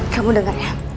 kamu denger ya